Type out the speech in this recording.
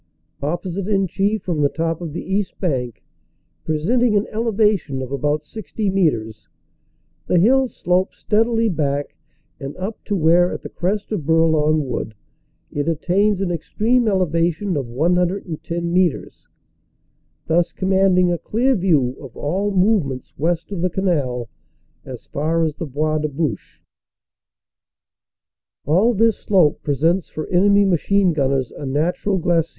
Opposite Inchy, from the top of the east bank, presenting an elevation of about 60 metres, the hill slopes steadily back and up to where at the crest of Bourlon Wood it attains an extreme elevation of 110 metres, thus commanding a clear view of all movements west of the canal as far as the Bois de Bouche. All this slope presents for enemy machine gunners a natural glacis.